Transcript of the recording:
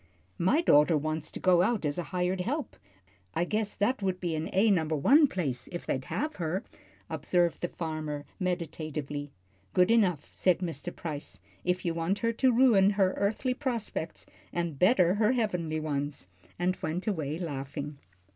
"My daughter wants to go out as hired help. I guess that would be an A number one place, if they'd have her," observed the father, meditatively. "Good enough," said Mr. Price, "if you want her to ruin her earthly prospects, and better her heavenly ones," and he went away laughing.